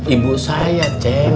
ibu saya ceng